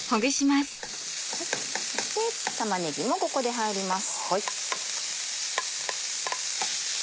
で玉ねぎもここで入ります。